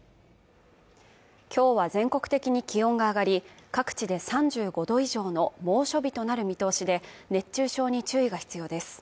今日は全国的に気温が上がり、各地で３５度以上の猛暑日となる見通しで、熱中症に注意が必要です。